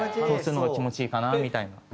そうするのが気持ちいいかなみたいな。